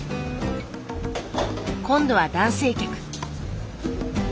今度は男性客。